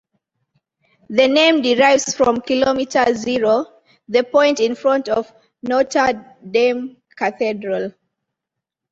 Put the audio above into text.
The name derives from 'Kilometre Zero', the point in front of Notre Dame cathedral.